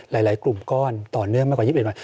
หลายกลุ่มก้อนต่อเนื่องมากกว่า๒๑วัน